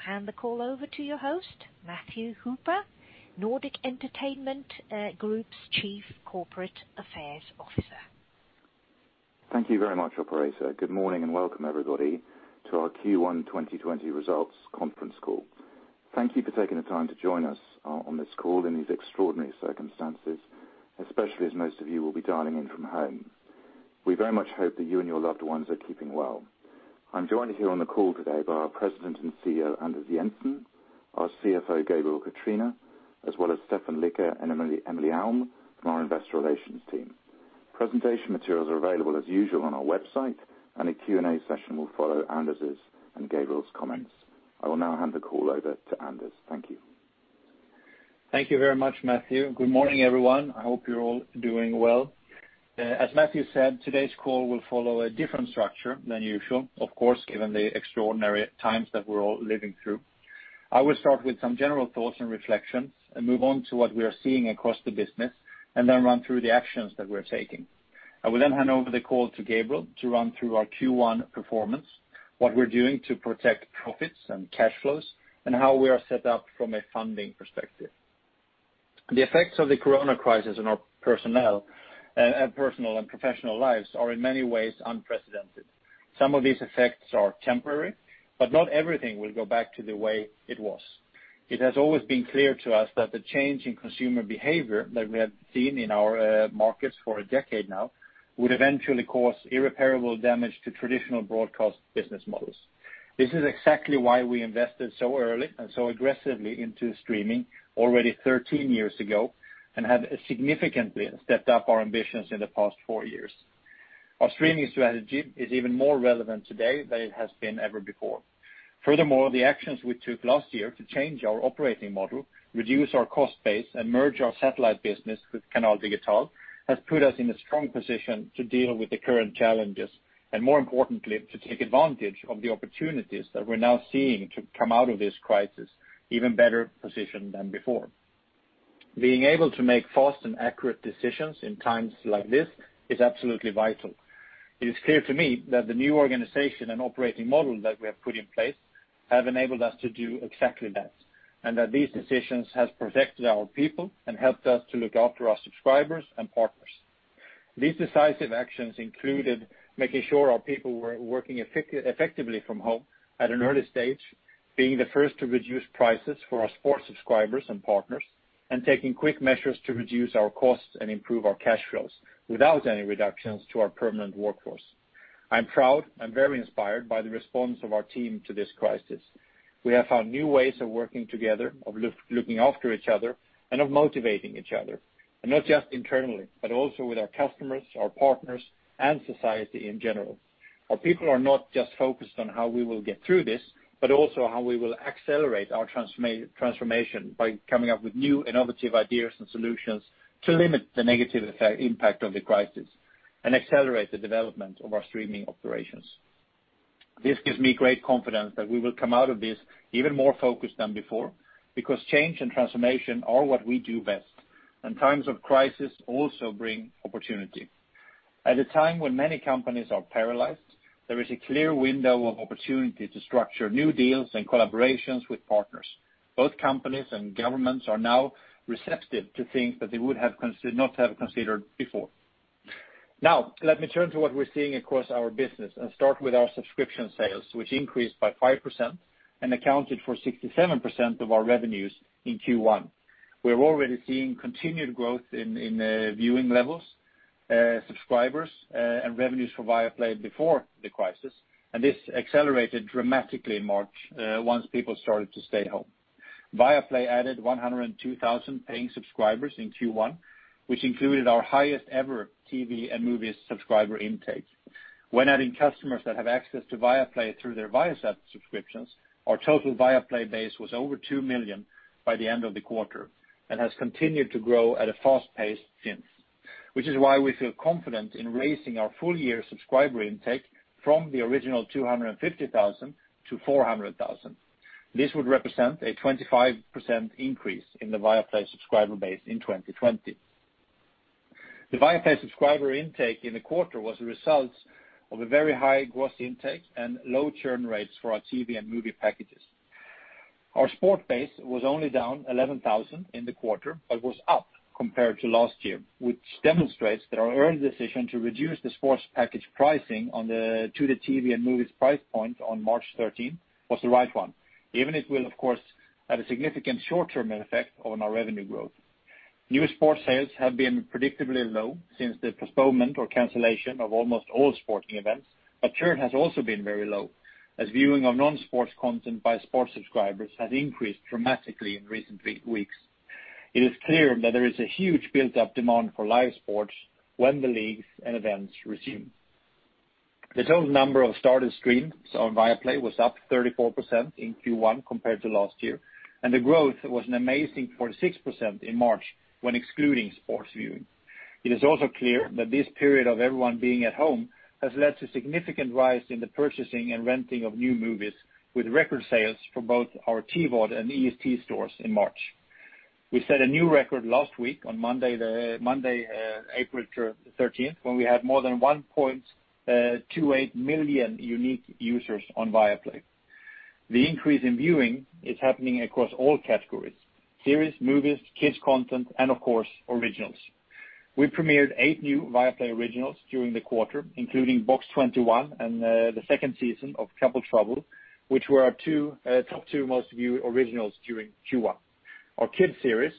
I'll hand the call over to your host, Matthew Hooper, Nordic Entertainment Group's Chief Corporate Affairs Officer. Thank you very much, operator. Good morning, and welcome everybody to our Q1 2020 results conference call. Thank you for taking the time to join us on this call in these extraordinary circumstances, especially as most of you will be dialing in from home. We very much hope that you and your loved ones are keeping well. I am joined here on the call today by our President and CEO, Anders Jensen, our CFO, Gabriel Catrina, as well as Stefan Lakic and Emily Alm from our investor relations team. Presentation materials are available as usual on our website, and a Q&A session will follow Anders’s and Gabriel’s comments. I will now hand the call over to Anders. Thank you. Thank you very much, Matthew. Good morning, everyone. I hope you're all doing well. As Matthew said, today's call will follow a different structure than usual, of course, given the extraordinary times that we're all living through. I will start with some general thoughts and reflections and move on to what we are seeing across the business, and then run through the actions that we're taking. I will then hand over the call to Gabriel to run through our Q1 performance, what we're doing to protect profits and cash flows, and how we are set up from a funding perspective. The effects of the coronavirus on our personal and professional lives are in many ways unprecedented. Some of these effects are temporary, but not everything will go back to the way it was. It has always been clear to us that the change in consumer behavior that we have seen in our markets for a decade now would eventually cause irreparable damage to traditional broadcast business models. This is exactly why we invested so early and so aggressively into streaming already 13 years ago and have significantly stepped up our ambitions in the past four years. Our streaming strategy is even more relevant today than it has been ever before. The actions we took last year to change our operating model, reduce our cost base, and merge our satellite business with Canal Digital, has put us in a strong position to deal with the current challenges, and more importantly, to take advantage of the opportunities that we're now seeing to come out of this crisis even better positioned than before. Being able to make fast and accurate decisions in times like this is absolutely vital. It is clear to me that the new organization and operating model that we have put in place have enabled us to do exactly that, and that these decisions have protected our people and helped us to look after our subscribers and partners. These decisive actions included making sure our people were working effectively from home at an early stage, being the first to reduce prices for our sports subscribers and partners, and taking quick measures to reduce our costs and improve our cash flows without any reductions to our permanent workforce. I'm proud and very inspired by the response of our team to this crisis. We have found new ways of working together, of looking after each other, and of motivating each other. Not just internally, but also with our customers, our partners, and society in general. Our people are not just focused on how we will get through this, but also how we will accelerate our transformation by coming up with new innovative ideas and solutions to limit the negative impact of the crisis and accelerate the development of our streaming operations. This gives me great confidence that we will come out of this even more focused than before, because change and transformation are what we do best, and times of crisis also bring opportunity. At a time when many companies are paralyzed, there is a clear window of opportunity to structure new deals and collaborations with partners. Both companies and governments are now receptive to things that they would not have considered before. Let me turn to what we're seeing across our business and start with our subscription sales, which increased by 5% and accounted for 67% of our revenues in Q1. We're already seeing continued growth in viewing levels, subscribers, and revenues for Viaplay before the crisis, and this accelerated dramatically in March, once people started to stay home. Viaplay added 102,000 paying subscribers in Q1, which included our highest ever TV and movie subscriber intake. When adding customers that have access to Viaplay through their Viasat subscriptions, our total Viaplay base was over 2 million by the end of the quarter and has continued to grow at a fast pace since, which is why we feel confident in raising our full-year subscriber intake from the original 250,000-400,000. This would represent a 25% increase in the Viaplay subscriber base in 2020. The Viaplay subscriber intake in the quarter was a result of a very high gross intake and low churn rates for our TV and movie packages. Our sport base was only down 11,000 in the quarter, but was up compared to last year, which demonstrates that our early decision to reduce the sports package pricing to the TV and movies price point on March 13 was the right one, even if it will, of course, have a significant short-term effect on our revenue growth. New sports sales have been predictably low since the postponement or cancellation of almost all sporting events, but churn has also been very low, as viewing of non-sports content by sports subscribers has increased dramatically in recent weeks. It is clear that there is a huge built-up demand for live sports when the leagues and events resume. The total number of started streams on Viaplay was up 34% in Q1 compared to last year. The growth was an amazing 46% in March when excluding sports viewing. It is also clear that this period of everyone being at home has led to significant rise in the purchasing and renting of new movies with record sales for both our TVOD and EST stores in March. We set a new record last week on Monday, April 13th, when we had more than 1.28 million unique users on Viaplay. The increase in viewing is happening across all categories, series, movies, kids content, and of course, originals. We premiered eight new Viaplay originals during the quarter, including "Box 21" and the second season of "Couple Trouble," which were our top two most viewed originals during Q1. Our kids series,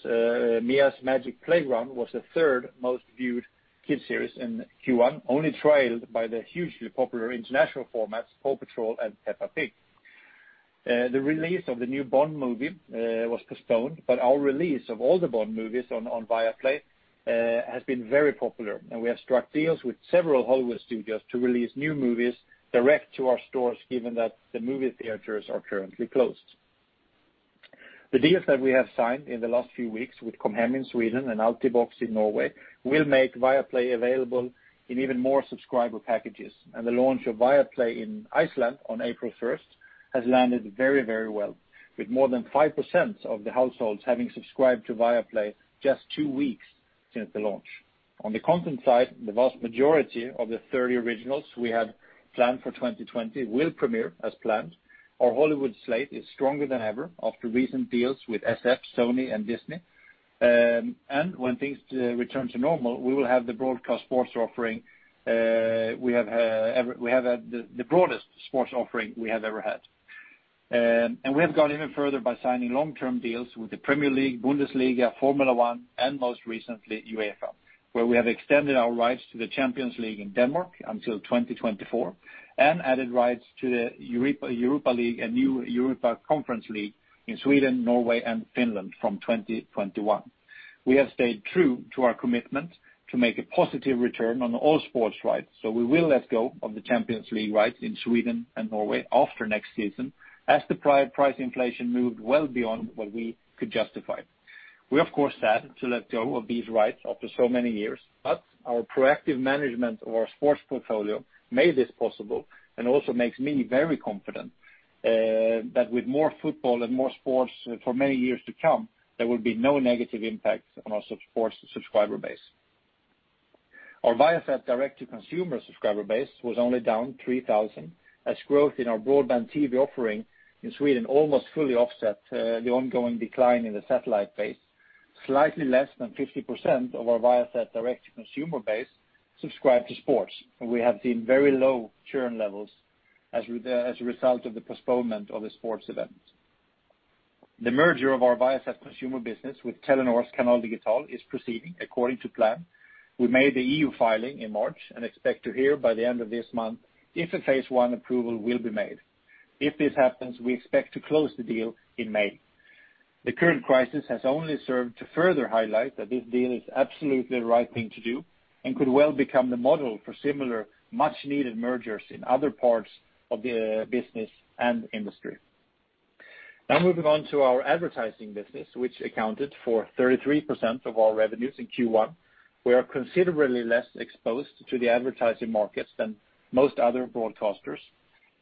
"Mia's Magic Playground," was the third most viewed kids series in Q1, only trailed by the hugely popular international formats, "PAW Patrol" and "Peppa Pig." The release of the new Bond movie was postponed, but our release of older Bond movies on Viaplay has been very popular, and we have struck deals with several Hollywood studios to release new movies direct to our stores, given that the movie theaters are currently closed. The deals that we have signed in the last few weeks with Com Hem in Sweden and Altibox in Norway will make Viaplay available in even more subscriber packages. The launch of Viaplay in Iceland on April 1st has landed very well, with more than 5% of the households having subscribed to Viaplay just two weeks since the launch. On the content side, the vast majority of the 30 originals we have planned for 2020 will premiere as planned. Our Hollywood slate is stronger than ever after recent deals with SF, Sony, and Disney. When things return to normal, we will have the broadest sports offering we have ever had. We have gone even further by signing long-term deals with the Premier League, Bundesliga, Formula One, and most recently, UEFA, where we have extended our rights to the Champions League in Denmark until 2024 and added rights to the Europa League and new Europa Conference League in Sweden, Norway, and Finland from 2021. We have stayed true to our commitment to make a positive return on all sports rights. We will let go of the Champions League rights in Sweden and Norway after next season as the price inflation moved well beyond what we could justify. We, of course, are sad to let go of these rights after so many years, but our proactive management of our sports portfolio made this possible and also makes me very confident that with more football and more sports for many years to come, there will be no negative impact on our sports subscriber base. Our Viasat direct-to-consumer subscriber base was only down 3,000, as growth in our broadband TV offering in Sweden almost fully offset the ongoing decline in the satellite base. Slightly less than 50% of our Viasat direct-to-consumer base subscribe to sports, and we have seen very low churn levels as a result of the postponement of the sports events. The merger of our Viasat Consumer business with Telenor's Canal Digital is proceeding according to plan. We made the EU filing in March and expect to hear by the end of this month if a phase I approval will be made. If this happens, we expect to close the deal in May. The current crisis has only served to further highlight that this deal is absolutely the right thing to do and could well become the model for similar much-needed mergers in other parts of the business and industry. Moving on to our advertising business, which accounted for 33% of our revenues in Q1.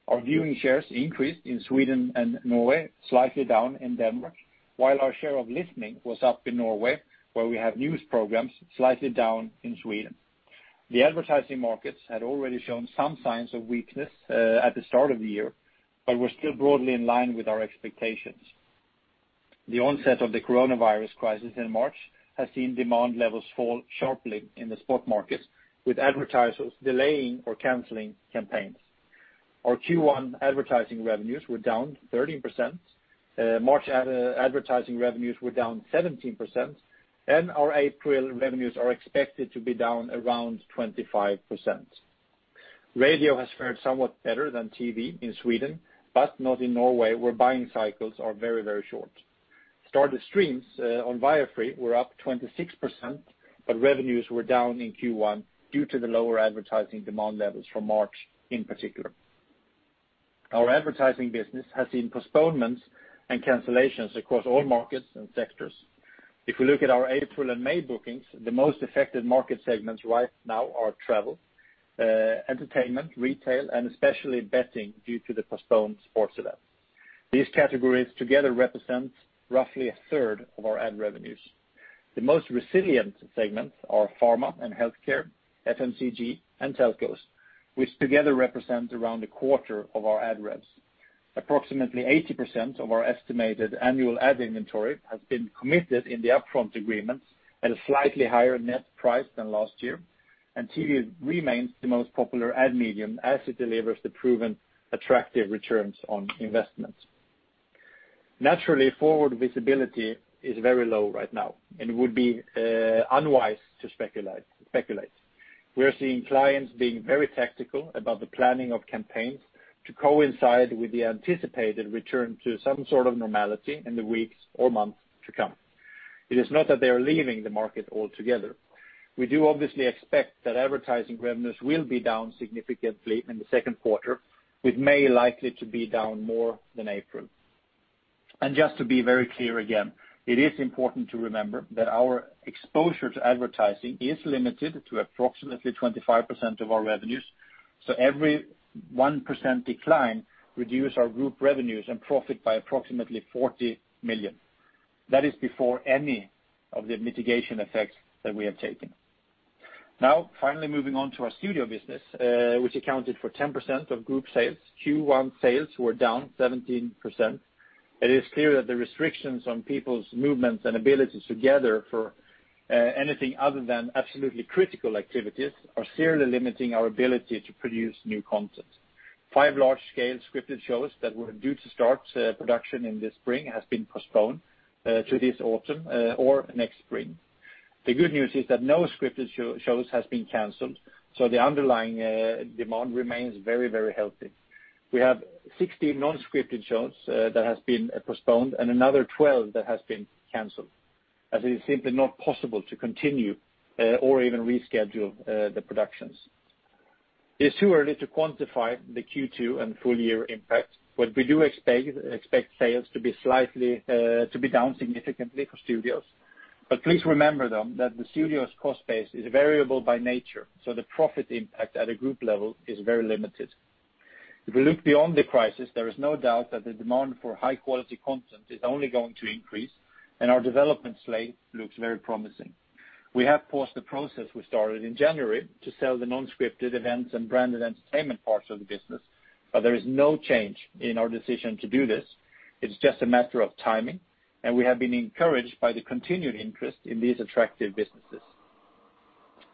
Our viewing shares increased in Sweden and Norway, slightly down in Denmark, while our share of listening was up in Norway, where we have news programs slightly down in Sweden. The advertising markets had already shown some signs of weakness at the start of the year, but were still broadly in line with our expectations. The onset of the coronavirus crisis in March has seen demand levels fall sharply in the spot markets, with advertisers delaying or canceling campaigns. Our Q1 advertising revenues were down 13%. March advertising revenues were down 17%, and our April revenues are expected to be down around 25%. Radio has fared somewhat better than TV in Sweden, but not in Norway, where buying cycles are very short. Started streams on Viafree were up 26%, but revenues were down in Q1 due to the lower advertising demand levels for March in particular. Our advertising business has seen postponements and cancellations across all markets and sectors. If we look at our April and May bookings, the most affected market segments right now are travel, entertainment, retail, and especially betting due to the postponed sports events. These categories together represent roughly a third of our ad revenues. The most resilient segments are pharma and healthcare, FMCG, and telcos, which together represent around a quarter of our ad revs. Approximately 80% of our estimated annual ad inventory has been committed in the upfront agreements at a slightly higher net price than last year. TV remains the most popular ad medium as it delivers the proven attractive returns on investments. Naturally, forward visibility is very low right now. It would be unwise to speculate. We are seeing clients being very tactical about the planning of campaigns to coincide with the anticipated return to some sort of normality in the weeks or months to come. It is not that they are leaving the market altogether. We do obviously expect that advertising revenues will be down significantly in the second quarter, with May likely to be down more than April. Just to be very clear again, it is important to remember that our exposure to advertising is limited to approximately 25% of our revenues. Every 1% decline reduce our group revenues and profit by approximately 40 million. That is before any of the mitigation effects that we have taken. Finally moving on to our studio business, which accounted for 10% of group sales. Q1 sales were down 17%. It is clear that the restrictions on people's movements and abilities to gather for anything other than absolutely critical activities are severely limiting our ability to produce new content. Five large-scale scripted shows that were due to start production in the spring has been postponed to this autumn or next spring. The good news is that no scripted shows has been canceled. The underlying demand remains very healthy. We have 60 non-scripted shows that has been postponed and another 12 that has been canceled, as it is simply not possible to continue or even reschedule the productions. It's too early to quantify the Q2 and full year impact. We do expect sales to be down significantly for studios. Please remember though, that the studio's cost base is variable by nature, so the profit impact at a group level is very limited. If we look beyond the crisis, there is no doubt that the demand for high-quality content is only going to increase. Our development slate looks very promising. We have paused the process we started in January to sell the non-scripted events and branded entertainment parts of the business, but there is no change in our decision to do this. It's just a matter of timing, and we have been encouraged by the continued interest in these attractive businesses.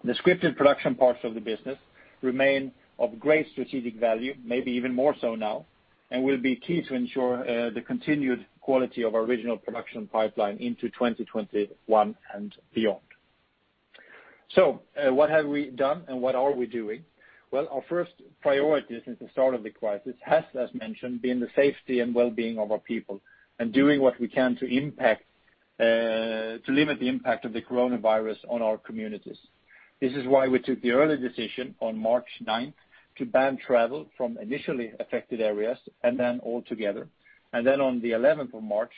The scripted production parts of the business remain of great strategic value, maybe even more so now, and will be key to ensure the continued quality of our original production pipeline into 2021 and beyond. What have we done and what are we doing? Well, our first priority since the start of the crisis has, as mentioned, been the safety and wellbeing of our people and doing what we can to limit the impact of the coronavirus on our communities. This is why we took the early decision on March 9th to ban travel from initially affected areas and then altogether. On the 11th of March,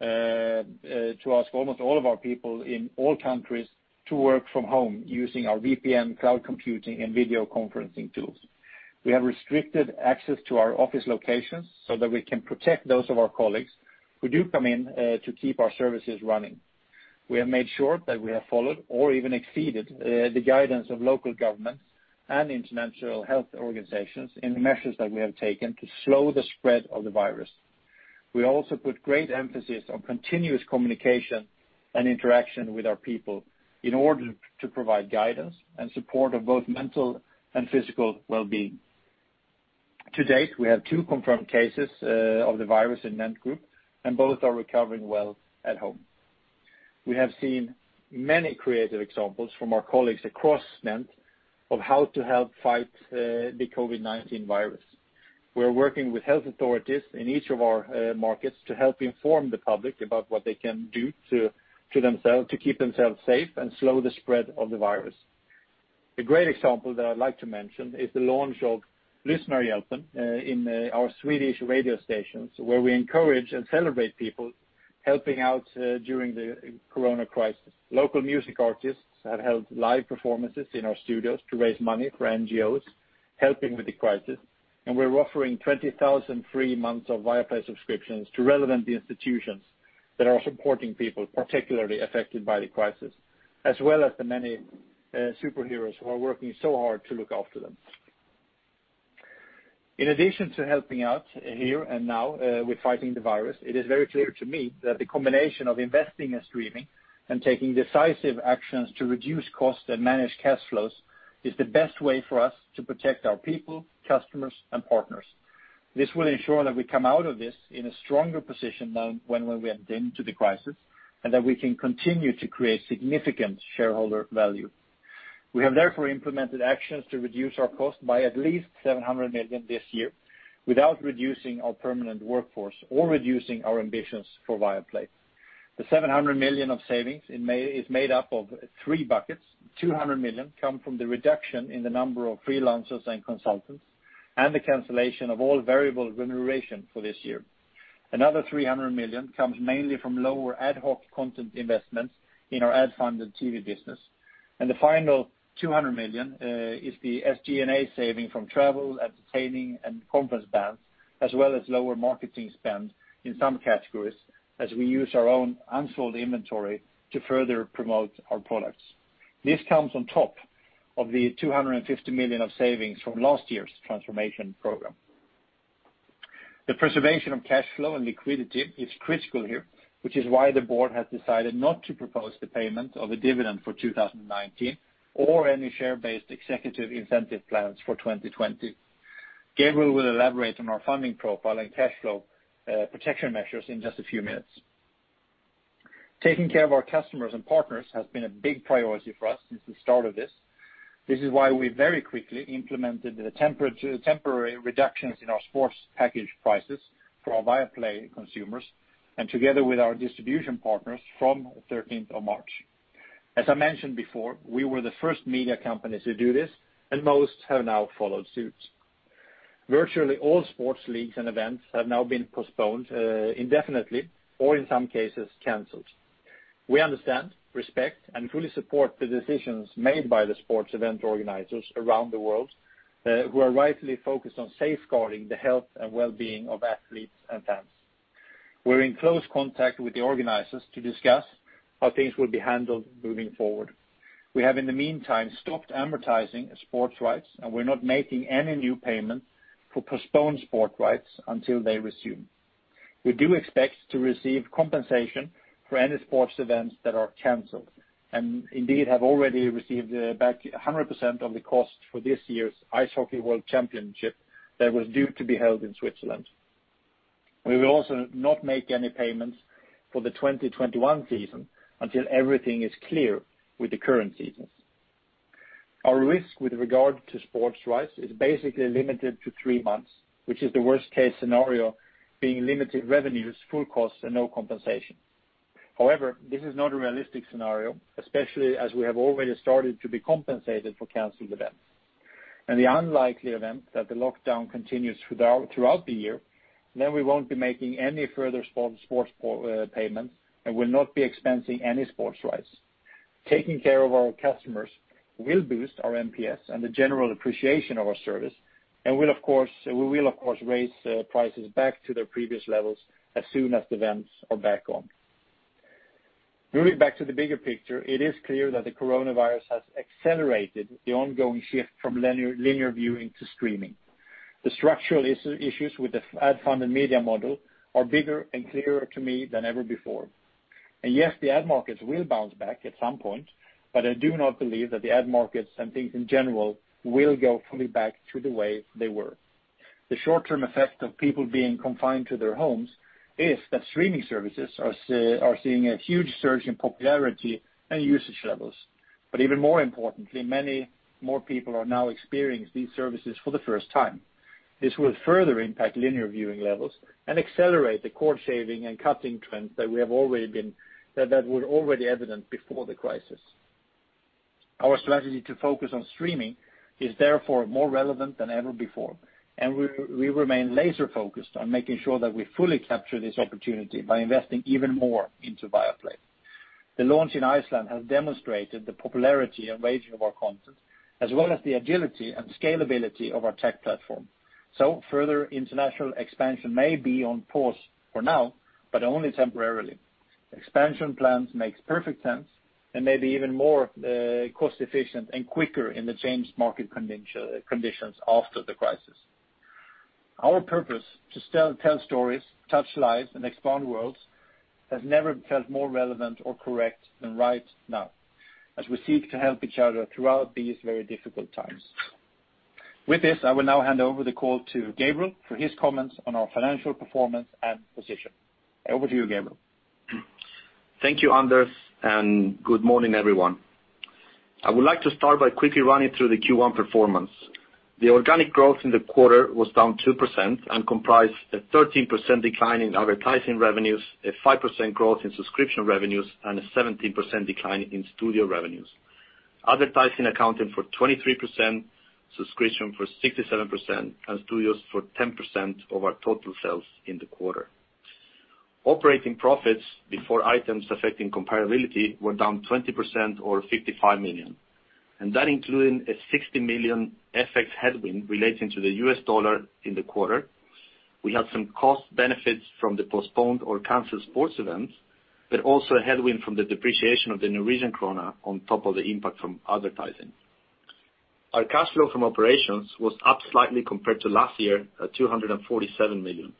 to ask almost all of our people in all countries to work from home using our VPN, cloud computing, and video conferencing tools. We have restricted access to our office locations so that we can protect those of our colleagues who do come in to keep our services running. We have made sure that we have followed or even exceeded the guidance of local governments and international health organizations in the measures that we have taken to slow the spread of the virus. We also put great emphasis on continuous communication and interaction with our people in order to provide guidance and support of both mental and physical wellbeing. To date, we have two confirmed cases of the virus in NENT Group, and both are recovering well at home. We have seen many creative examples from our colleagues across NENT of how to help fight the COVID-19 virus. We're working with health authorities in each of our markets to help inform the public about what they can do to keep themselves safe and slow the spread of the virus. A great example that I'd like to mention is the launch of "Lyssnarhjälpen" in our Swedish radio stations, where we encourage and celebrate people helping out during the corona crisis. Local music artists have held live performances in our studios to raise money for NGOs helping with the crisis, and we're offering 20,000 free months of Viaplay subscriptions to relevant institutions that are supporting people particularly affected by the crisis, as well as the many superheroes who are working so hard to look after them. In addition to helping out here and now with fighting the virus, it is very clear to me that the combination of investing in streaming and taking decisive actions to reduce cost and manage cash flows is the best way for us to protect our people, customers, and partners. This will ensure that we come out of this in a stronger position than when we went into the crisis, and that we can continue to create significant shareholder value. We have therefore implemented actions to reduce our cost by at least 700 million this year without reducing our permanent workforce or reducing our ambitions for Viaplay. The 700 million of savings is made up of three buckets. 200 million come from the reduction in the number of freelancers and consultants, and the cancellation of all variable remuneration for this year. Another 300 million comes mainly from lower ad hoc content investments in our ad-funded TV business. The final 200 million is the SG&A saving from travel, entertaining, and conference bans, as well as lower marketing spend in some categories, as we use our own unsold inventory to further promote our products. This comes on top of the 250 million of savings from last year's transformation program. The preservation of cash flow and liquidity is critical here, which is why the board has decided not to propose the payment of a dividend for 2019 or any share-based executive incentive plans for 2020. Gabriel will elaborate on our funding profile and cash flow protection measures in just a few minutes. Taking care of our customers and partners has been a big priority for us since the start of this. This is why we very quickly implemented the temporary reductions in our sports package prices for our Viaplay consumers, and together with our distribution partners from 13th of March. As I mentioned before, we were the first media company to do this, and most have now followed suit. Virtually all sports leagues and events have now been postponed indefinitely or in some cases, canceled. We understand, respect, and fully support the decisions made by the sports event organizers around the world, who are rightly focused on safeguarding the health and wellbeing of athletes and fans. We're in close contact with the organizers to discuss how things will be handled moving forward. We have, in the meantime, stopped advertising sports rights, and we're not making any new payment for postponed sport rights until they resume. We do expect to receive compensation for any sports events that are canceled, and indeed have already received back 100% of the cost for this year's Ice Hockey World Championship that was due to be held in Switzerland. We will also not make any payments for the 2021 season until everything is clear with the current seasons. Our risk with regard to sports rights is basically limited to three months, which is the worst-case scenario, being limited revenues, full costs, and no compensation. However, this is not a realistic scenario, especially as we have already started to be compensated for canceled events. In the unlikely event that the lockdown continues throughout the year, then we won't be making any further sports payments and will not be expensing any sports rights. Taking care of our customers will boost our NPS and the general appreciation of our service, and we will, of course, raise prices back to their previous levels as soon as events are back on. Moving back to the bigger picture, it is clear that the coronavirus has accelerated the ongoing shift from linear viewing to streaming. The structural issues with the ad-funded media model are bigger and clearer to me than ever before. Yes, the ad markets will bounce back at some point, but I do not believe that the ad markets and things in general will go fully back to the way they were. The short-term effect of people being confined to their homes is that streaming services are seeing a huge surge in popularity and usage levels. Even more importantly, many more people are now experiencing these services for the first time. This will further impact linear viewing levels and accelerate the cord-shaving and cutting trends that were already evident before the crisis. Our strategy to focus on streaming is therefore more relevant than ever before, and we remain laser-focused on making sure that we fully capture this opportunity by investing even more into Viaplay. The launch in Iceland has demonstrated the popularity and range of our content, as well as the agility and scalability of our tech platform. Further international expansion may be on pause for now, but only temporarily. Expansion plans make perfect sense and may be even more cost-efficient and quicker in the changed market conditions after the crisis. Our purpose, to tell stories, touch lives, and expand worlds, has never felt more relevant or correct than right now, as we seek to help each other throughout these very difficult times. With this, I will now hand over the call to Gabriel for his comments on our financial performance and position. Over to you, Gabriel. Thank you, Anders, and good morning, everyone. I would like to start by quickly running through the Q1 performance. The organic growth in the quarter was down 2% and comprised a 13% decline in advertising revenues, a 5% growth in subscription revenues, and a 17% decline in studio revenues. Advertising accounted for 23%, subscription for 67%, and studios for 10% of our total sales in the quarter. Operating profits before items affecting comparability were down 20% or 55 million. That including a 60 million FX headwind relating to the US dollar in the quarter. We had some cost benefits from the postponed or canceled sports events, but also a headwind from the depreciation of the Norwegian krone on top of the impact from advertising. Our cash flow from operations was up slightly compared to last year at 247 million.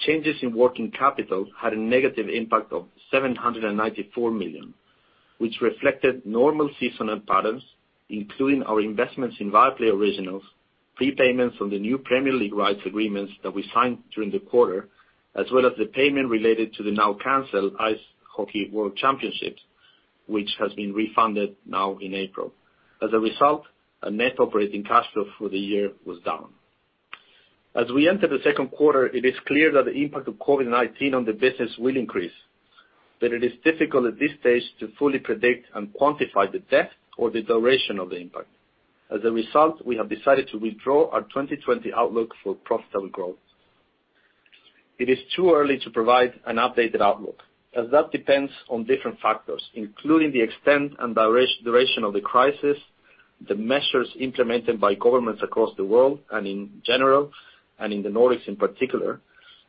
Changes in working capital had a negative impact of 794 million, which reflected normal seasonal patterns, including our investments in Viaplay Originals, prepayments on the new Premier League rights agreements that we signed during the quarter, as well as the payment related to the now-canceled Ice Hockey World Championship, which has been refunded now in April. A net operating cash flow for the year was down. As we enter the second quarter, it is clear that the impact of COVID-19 on the business will increase, but it is difficult at this stage to fully predict and quantify the depth or the duration of the impact. We have decided to withdraw our 2020 outlook for profitable growth. It is too early to provide an updated outlook, as that depends on different factors, including the extent and duration of the crisis, the measures implemented by governments across the world and in general and in the Nordics in particular,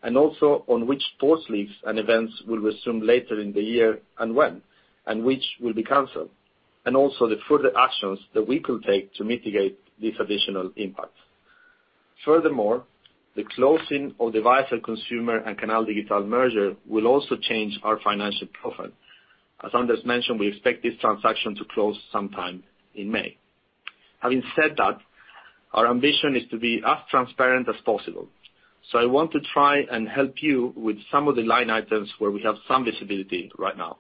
and also on which sports leagues and events will resume later in the year and when, and which will be canceled. The further actions that we will take to mitigate these additional impacts. Furthermore, the closing of the Viasat Consumer and Canal Digital merger will also change our financial profile. As Anders mentioned, we expect this transaction to close sometime in May. Having said that, our ambition is to be as transparent as possible. I want to try and help you with some of the line items where we have some visibility right now.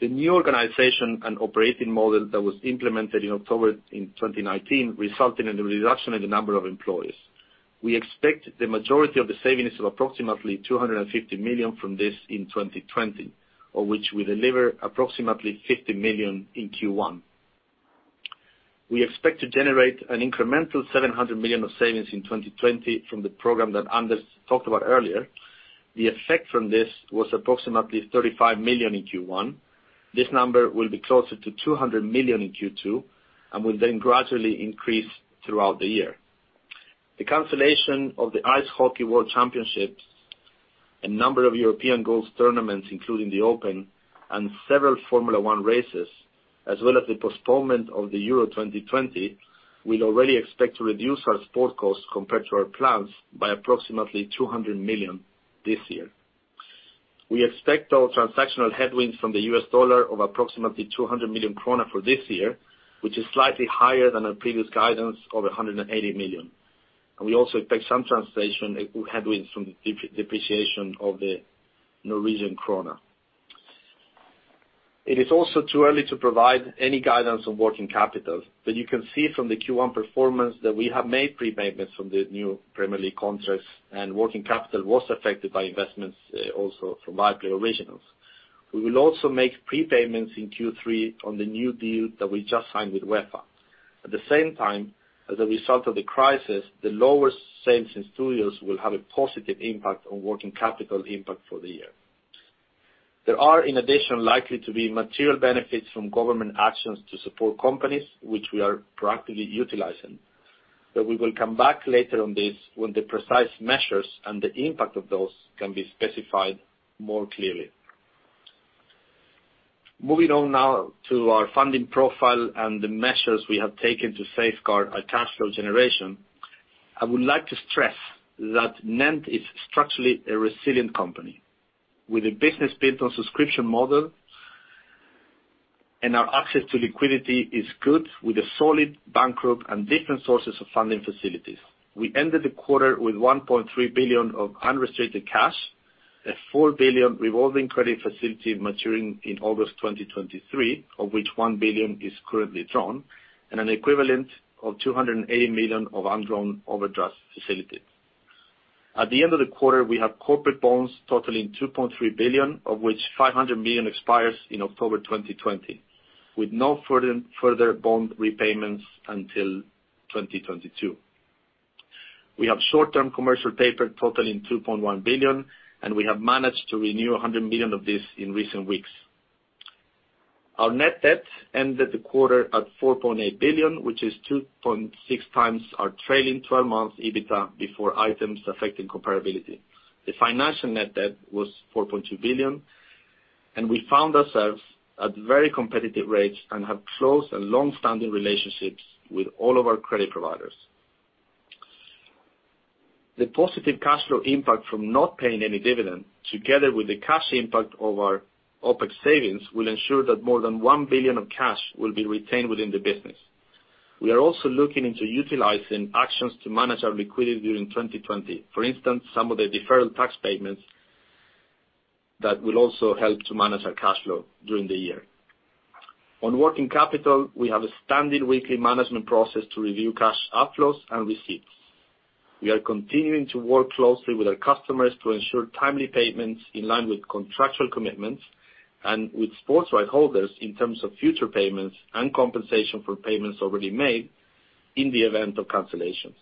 The new organization and operating model that was implemented in October in 2019 resulted in the reduction in the number of employees. We expect the majority of the savings of approximately 250 million from this in 2020, of which we deliver approximately 50 million in Q1. We expect to generate an incremental 700 million of savings in 2020 from the program that Anders talked about earlier. The effect from this was approximately 35 million in Q1. This number will be closer to 200 million in Q2, and will then gradually increase throughout the year. The cancellation of the Ice Hockey World Championship, a number of European Golf Tournaments, including The Open Championship, and several Formula 1 races, as well as the postponement of the UEFA Euro 2020, we already expect to reduce our sport costs compared to our plans by approximately 200 million this year. We expect our transactional headwinds from the $ of approximately 200 million krona for this year, which is slightly higher than our previous guidance of 180 million. We also expect some translation headwinds from depreciation of the Norwegian kroner. It is also too early to provide any guidance on working capital, but you can see from the Q1 performance that we have made prepayments from the new Premier League contracts, and working capital was affected by investments also from Viaplay Originals. We will also make prepayments in Q3 on the new deal that we just signed with UEFA. At the same time, as a result of the crisis, the lower sales in studios will have a positive impact on working capital impact for the year. There are, in addition, likely to be material benefits from government actions to support companies, which we are proactively utilizing. We will come back later on this when the precise measures and the impact of those can be specified more clearly. Moving on now to our funding profile and the measures we have taken to safeguard our cash flow generation. I would like to stress that NENT Group is structurally a resilient company, with a business built on subscription model, and our access to liquidity is good, with a solid bank group and different sources of funding facilities. We ended the quarter with 1.3 billion of unrestricted cash, a 4 billion revolving credit facility maturing in August 2023, of which 1 billion is currently drawn, and an equivalent of 280 million of undrawn overdraft facilities. At the end of the quarter, we have corporate bonds totaling 2.3 billion, of which 500 million expires in October 2020, with no further bond repayments until 2022. We have short-term commercial paper totaling 2.1 billion, and we have managed to renew 100 million of this in recent weeks. Our net debt ended the quarter at 4.8 billion, which is 2.6x our trailing 12 months EBITDA, before items affecting comparability. The financial net debt was 4.2 billion, and we found ourselves at very competitive rates and have close and long-standing relationships with all of our credit providers. The positive cash flow impact from not paying any dividend, together with the cash impact of our OpEx savings, will ensure that more than 1 billion of cash will be retained within the business. We are also looking into utilizing actions to manage our liquidity during 2020, for instance, some of the deferred tax payments that will also help to manage our cash flow during the year. On working capital, we have a standard weekly management process to review cash outflows and receipts. We are continuing to work closely with our customers to ensure timely payments in line with contractual commitments, and with sports right holders in terms of future payments and compensation for payments already made in the event of cancellations.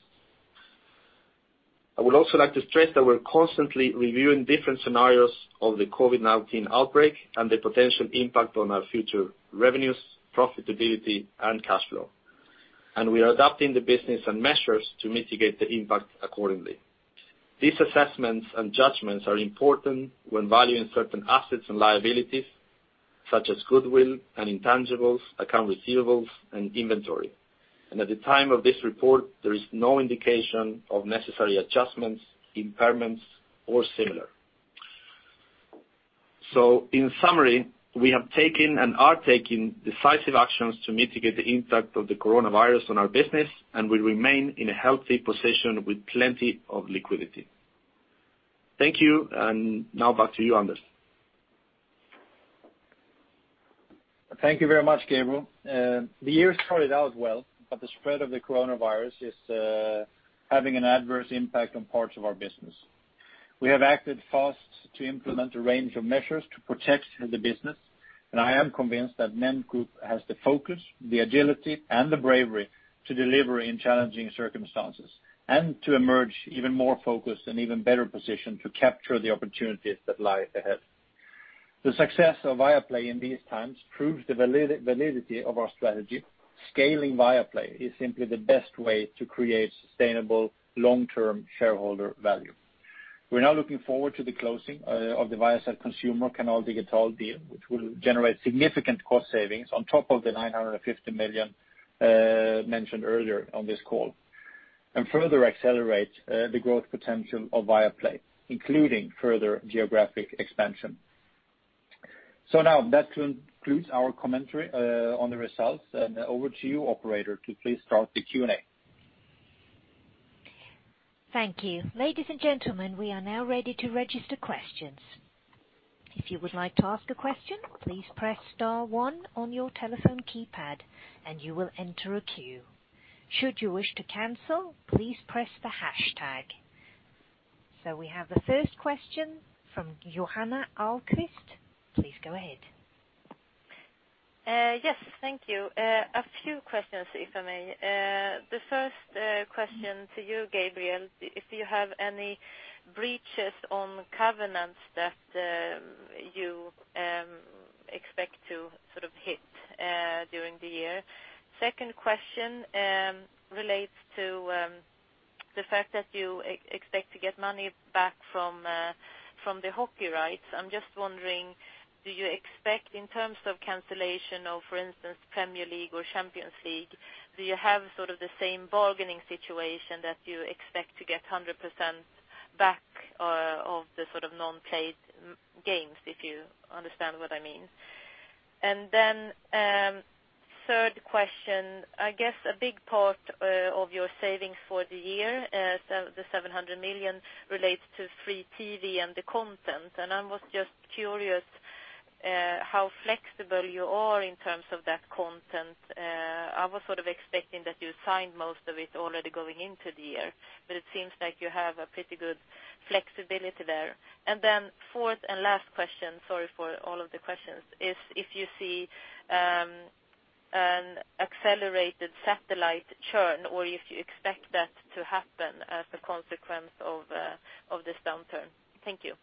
I would also like to stress that we're constantly reviewing different scenarios of the COVID-19 outbreak and the potential impact on our future revenues, profitability, and cash flow. We are adapting the business and measures to mitigate the impact accordingly. These assessments and judgments are important when valuing certain assets and liabilities, such as goodwill and intangibles, accounts receivable, and inventory. At the time of this report, there is no indication of necessary adjustments, impairments, or similar. In summary, we have taken and are taking decisive actions to mitigate the impact of the coronavirus on our business, and we remain in a healthy position with plenty of liquidity. Thank you, and now back to you, Anders. Thank you very much, Gabriel. The year started out well, but the spread of the coronavirus is having an adverse impact on parts of our business. We have acted fast to implement a range of measures to protect the business, and I am convinced that NENT Group has the focus, the agility, and the bravery to deliver in challenging circumstances, and to emerge even more focused and even better positioned to capture the opportunities that lie ahead. The success of Viaplay in these times proves the validity of our strategy. Scaling Viaplay is simply the best way to create sustainable long-term shareholder value. We're now looking forward to the closing of the Viasat Consumer Canal Digital deal, which will generate significant cost savings on top of the 950 million mentioned earlier on this call, and further accelerate the growth potential of Viaplay, including further geographic expansion. Now, that concludes our commentary on the results. Over to you, operator, to please start the Q&A. Thank you. Ladies and gentlemen, we are now ready to register questions. If you would like to ask a question, please press star one on your telephone keypad and you will enter a queue. Should you wish to cancel, please press the hashtag. We have the first question from Johanna Ahlqvist. Please go ahead. Yes, thank you. A few questions, if I may. The first question to you, Gabriel, if you have any breaches on covenants that you expect to sort of hit during the year? Second question relates to the fact that you expect to get money back from the hockey rights. I am just wondering, do you expect in terms of cancellation of, for instance, Premier League or Champions League, do you have sort of the same bargaining situation that you expect to get 100% back of the sort of non-paid games, if you understand what I mean? Third question, I guess a big part of your savings for the year, the 700 million relates to free TV and the content. I was just curious how flexible you are in terms of that content. I was sort of expecting that you signed most of it already going into the year, but it seems like you have a pretty good flexibility there. Fourth and last question, sorry for all of the questions, is if you see an accelerated satellite churn or if you expect that to happen as a consequence of this downturn. Thank you.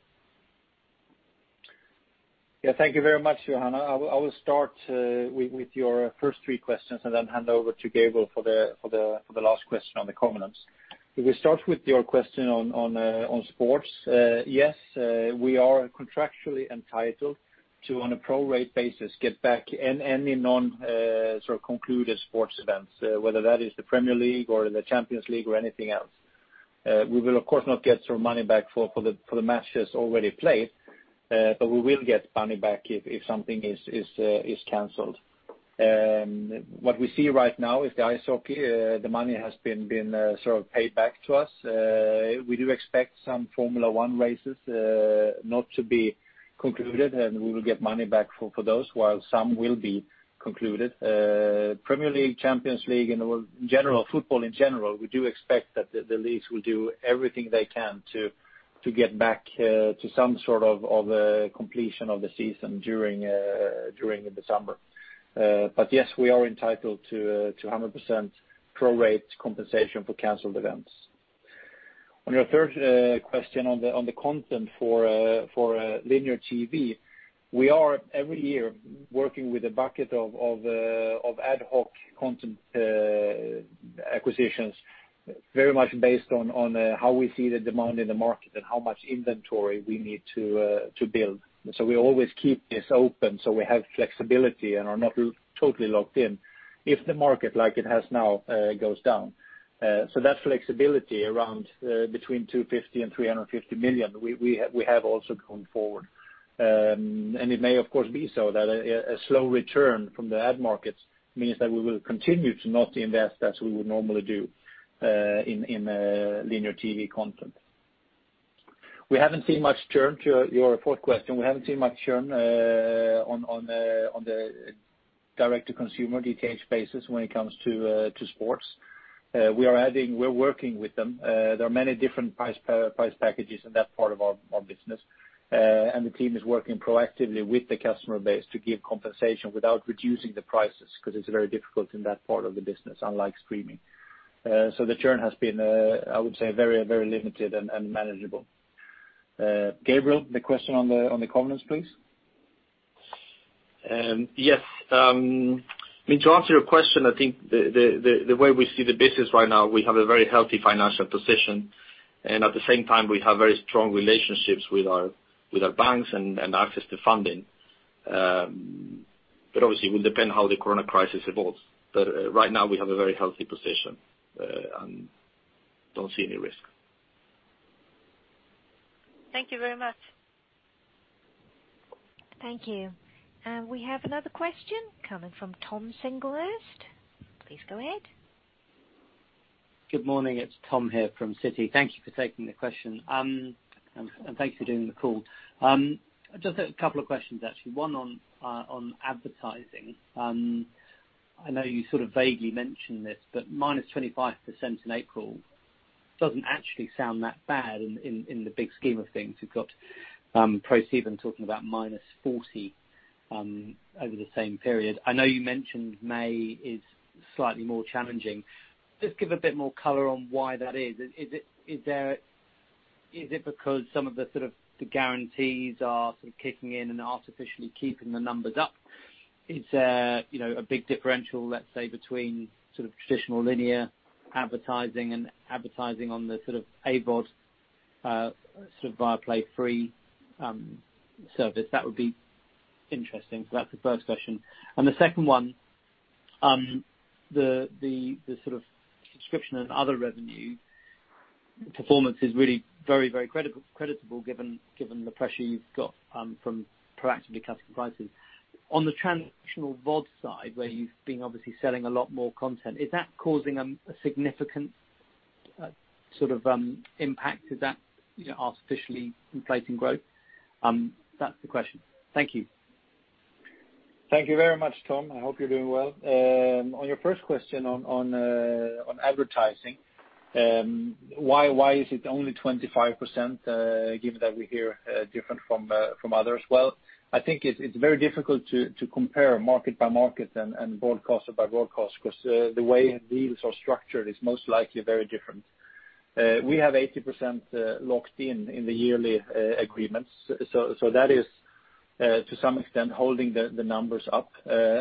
Thank you very much, Johanna. I will start with your first three questions and then hand over to Gabriel for the last question on the covenants. If we start with your question on sports. Yes, we are contractually entitled to, on a pro-rate basis, get back any non sort of concluded sports events, whether that is the Premier League or the Champions League or anything else. We will of course not get sort of money back for the matches already played, but we will get money back if something is canceled. What we see right now is the Ice Hockey, the money has been sort of paid back to us. We do expect some Formula 1 races, not to be concluded, and we will get money back for those, while some will be concluded. Premier League, Champions League and football in general, we do expect that the leagues will do everything they can to get back to some sort of completion of the season during the December. Yes, we are entitled to 100% pro-rate compensation for canceled events. On your third question on the content for linear TV. We are every year working with a bucket of ad hoc content acquisitions very much based on how we see the demand in the market and how much inventory we need to build. We always keep this open so we have flexibility and are not totally locked in if the market, like it has now, goes down. That flexibility around between 250 million and 350 million, we have also going forward. It may of course be so that a slow return from the ad markets means that we will continue to not invest as we would normally do in linear TV content. We haven't seen much churn, to your fourth question. We haven't seen much churn on the direct to consumer DTH basis when it comes to sports. We're working with them. There are many different price packages in that part of our business. The team is working proactively with the customer base to give compensation without reducing the prices, because it's very difficult in that part of the business, unlike streaming. The churn has been, I would say very limited and manageable. Gabriel, the question on the covenants, please. Yes. I mean, to answer your question, I think the way we see the business right now, we have a very healthy financial position, and at the same time, we have very strong relationships with our banks and access to funding. Obviously it will depend how the Corona crisis evolves. Right now we have a very healthy position, and don't see any risk. Thank you very much. Thank you. We have another question coming from Tom Singlehurst. Please go ahead. Good morning. It's Tom here from Citi. Thank you for taking the question, and thanks for doing the call. Just a couple of questions, actually. One on advertising. I know you sort of vaguely mentioned this, minus 25% in April doesn't actually sound that bad in the big scheme of things. You've got ProSieben talking about minus 40% over the same period. I know you mentioned May is slightly more challenging. Just give a bit more color on why that is. Is it because some of the sort of the guarantees are sort of kicking in and artificially keeping the numbers up? It's a big differential, let's say between sort of traditional linear advertising and advertising on the sort of AVOD, sort of Viaplay free service. That would be interesting. That's the first question. The second one, the sort of subscription and other revenue performance is really very, very creditable given the pressure you've got from proactively cutting prices. On the transactional VOD side, where you've been obviously selling a lot more content, is that causing a significant sort of impact, is that artificially inflating growth? That's the question. Thank you. Thank you very much, Tom. I hope you're doing well. On your first question on advertising, why is it only 25% given that we hear different from others? Well, I think it's very difficult to compare market by market and broadcaster by broadcaster, because the way deals are structured is most likely very different. We have 80% locked in the yearly agreements. That is, to some extent, holding the numbers up.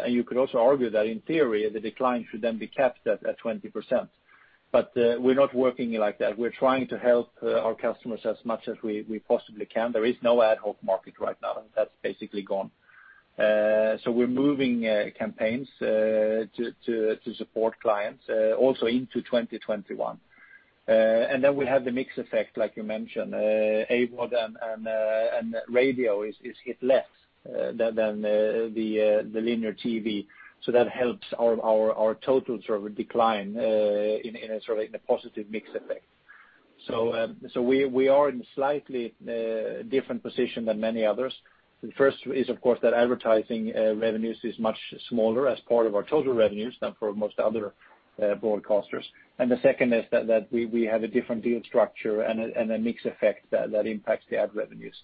You could also argue that in theory, the decline should then be capped at 20%. We're not working like that. We're trying to help our customers as much as we possibly can. There is no ad hoc market right now. That's basically gone. We're moving campaigns to support clients also into 2021. Then we have the mix effect, like you mentioned. AVOD and radio is hit less than the linear TV. That helps our total decline in a positive mix effect. We are in a slightly different position than many others. The first is, of course, that advertising revenues is much smaller as part of our total revenues than for most other broadcasters. The second is that we have a different deal structure and a mix effect that impacts the ad revenues.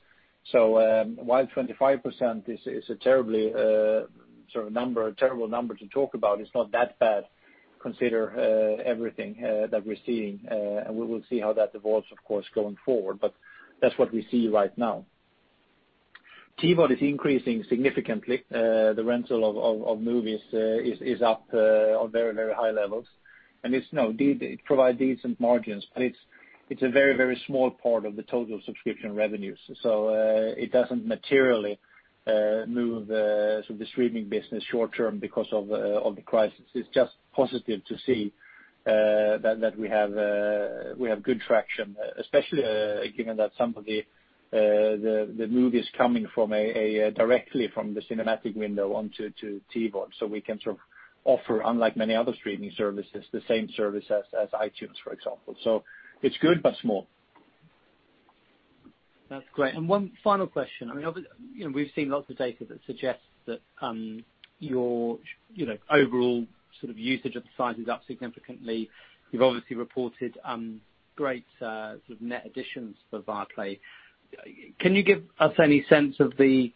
While 25% is a terrible number to talk about, it's not that bad, consider everything that we're seeing, and we will see how that evolves, of course, going forward. That's what we see right now. TVOD is increasing significantly. The rental of movies is up on very high levels, and it provide decent margins, but it's a very small part of the total subscription revenues. It doesn't materially move the streaming business short term because of the crisis. It's just positive to see that we have good traction, especially given that some of the movies coming directly from the cinematic window onto TVOD. We can offer, unlike many other streaming services, the same service as iTunes, for example. It's good, but small. That's great. One final question. We've seen lots of data that suggests that your overall usage of the site is up significantly. You've obviously reported great net additions for Viaplay. Can you give us any sense of the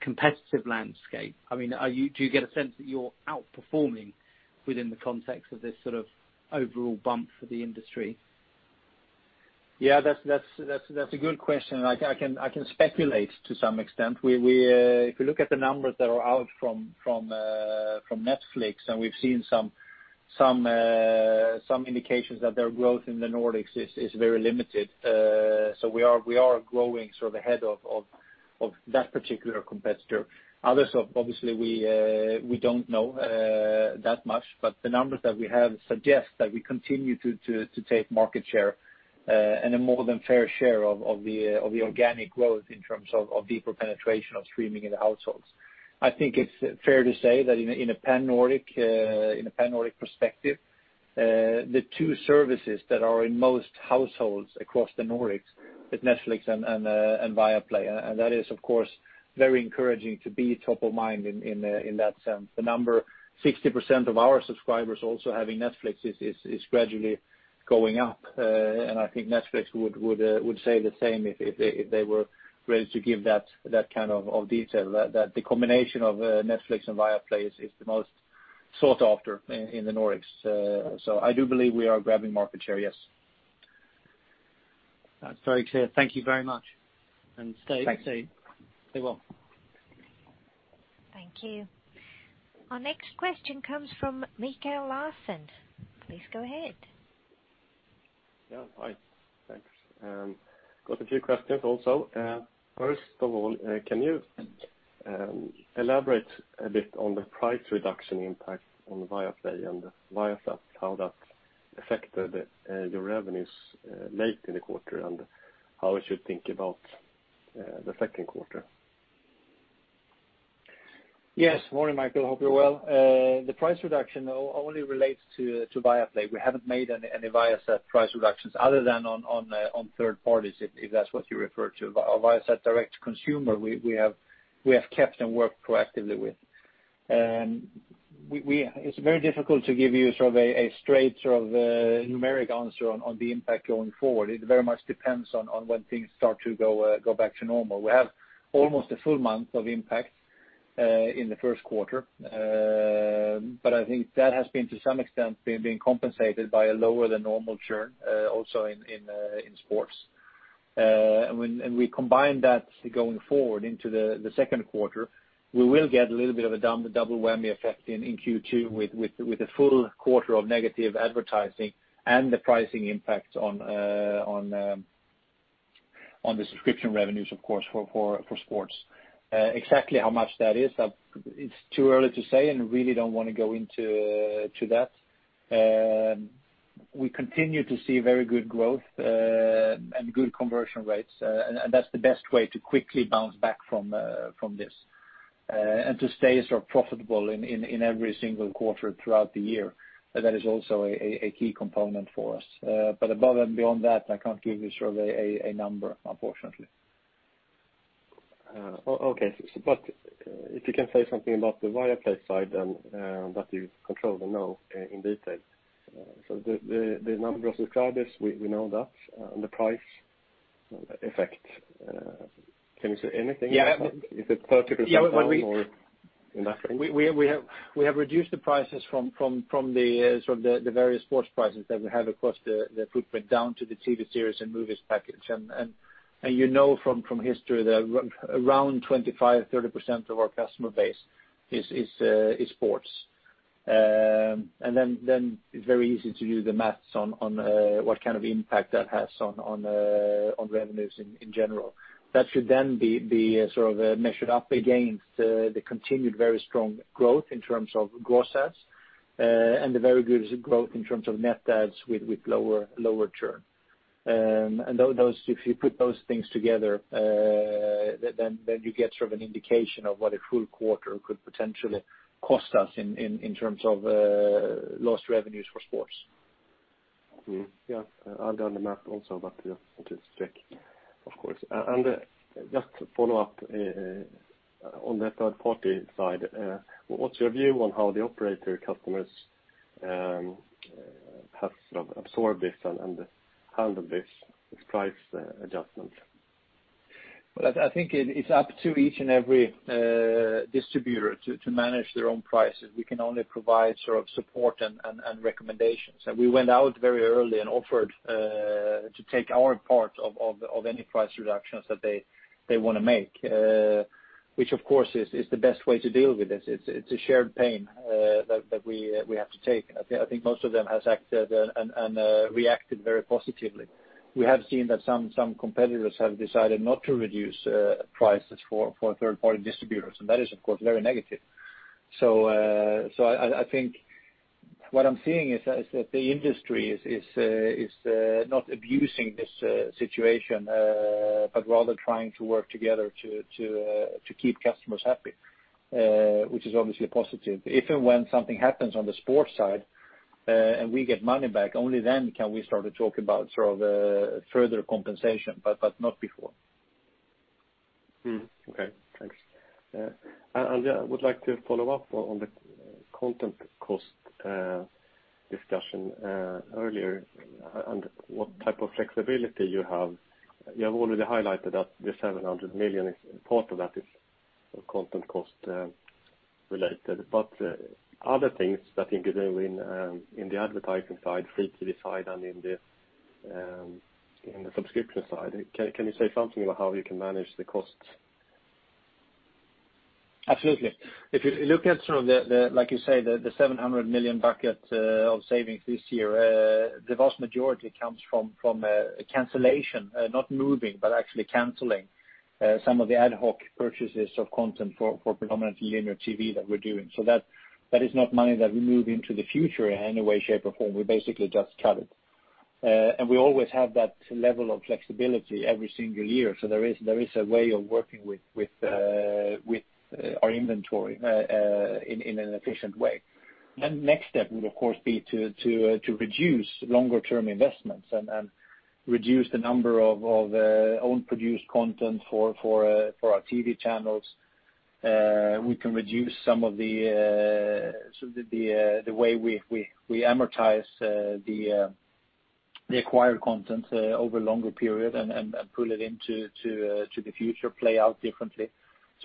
competitive landscape? Do you get a sense that you're outperforming within the context of this overall bump for the industry? Yeah, that's a good question, and I can speculate to some extent. If you look at the numbers that are out from Netflix, and we've seen some indications that their growth in the Nordics is very limited. We are growing ahead of that particular competitor. Others, obviously, we don't know that much, but the numbers that we have suggest that we continue to take market share and a more than fair share of the organic growth in terms of deeper penetration of streaming in the households. I think it's fair to say that in a Pan-Nordic perspective, the two services that are in most households across the Nordics is Netflix and Viaplay, and that is, of course, very encouraging to be top of mind in that sense. The number, 60% of our subscribers also having Netflix is gradually going up, and I think Netflix would say the same if they were ready to give that kind of detail, that the combination of Netflix and Viaplay is the most sought after in the Nordics. I do believe we are grabbing market share, yes. That's very clear. Thank you very much. Thanks. Stay well. Thank you. Our next question comes from Mikael Laséen. Please go ahead. Yeah. Hi. Thanks. Got a few questions also. First of all, can you elaborate a bit on the price reduction impact on Viaplay and Viasat, how that affected your revenues late in the quarter, and how we should think about the second quarter? Yes. Morning, Mikael. Hope you're well. The price reduction only relates to Viaplay. We haven't made any Viasat price reductions other than on third parties, if that's what you refer to. Our Viasat direct consumer, we have kept and worked proactively with. It's very difficult to give you a straight numeric answer on the impact going forward. It very much depends on when things start to go back to normal. We have almost a full month of impact in the first quarter. I think that has been, to some extent, being compensated by a lower than normal churn also in sports. We combine that going forward into the second quarter, we will get a little bit of a double whammy effect in Q2 with a full quarter of negative advertising and the pricing impact on the subscription revenues, of course, for sports. Exactly how much that is, it's too early to say and really don't want to go into that. We continue to see very good growth and good conversion rates, that's the best way to quickly bounce back from this. To stay profitable in every single quarter throughout the year. That is also a key component for us. Above and beyond that, I can't give you a number, unfortunately. Okay. If you can say something about the Viaplay side, that you control and know in detail. The number of subscribers, we know that, and the price effect. Can you say anything about that? Yeah. Is it 30% down or enough? We have reduced the prices from the various sports prices that we have across the footprint down to the TV series and movies package. You know from history that around 25, 30% of our customer base is sports. Then it's very easy to do the math on what kind of impact that has on revenues in general. That should then be measured up against the continued very strong growth in terms of gross adds, and the very good growth in terms of net adds with lower churn. If you put those things together, then you get an indication of what a full quarter could potentially cost us in terms of lost revenues for sports. Mm-hmm. Yeah. I'll do the math also, but just to check, of course. Just to follow up on the third-party side, what's your view on how the operator customers have sort of absorbed this and handled this price adjustment? Well, I think it's up to each and every distributor to manage their own prices. We can only provide support and recommendations. We went out very early and offered to take our part of any price reductions that they want to make, which of course, is the best way to deal with this. It's a shared pain that we have to take. I think most of them has acted and reacted very positively. We have seen that some competitors have decided not to reduce prices for third-party distributors, and that is, of course, very negative. I think what I'm seeing is that the industry is not abusing this situation, but rather trying to work together to keep customers happy, which is obviously a positive. If and when something happens on the sports side, and we get money back, only then can we start to talk about further compensation, but not before. Mm-hmm. Okay. Thanks. I would like to follow up on the content cost discussion earlier and what type of flexibility you have. You have already highlighted that the 700 million, a part of that is content cost related. Other things that you do in the advertising side, free TV side, and in the subscription side, can you say something about how you can manage the cost? Absolutely. If you look at, like you say, the 700 million bucket of savings this year, the vast majority comes from cancellation, not moving, but actually canceling some of the ad hoc purchases of content for predominantly linear TV that we're doing. That is not money that we move into the future in any way, shape, or form. We basically just cut it. We always have that level of flexibility every single year. There is a way of working with our inventory in an efficient way. Next step would, of course, be to reduce longer-term investments and reduce the number of own-produced content for our TV channels. We can reduce some of the way we amortize the acquired content over a longer period and pull it into the future, play out differently.